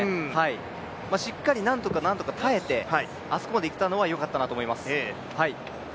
しっかりなんとか耐えてあそこまでいけたのはよかったと思います。